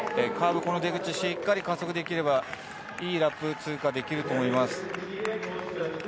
カーブ、この出口、しっかり加速できれば、いいラップで通過できると思います。